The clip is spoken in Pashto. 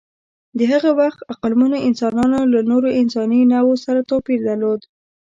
د هغه وخت عقلمنو انسانانو له نورو انساني نوعو سره توپیر درلود.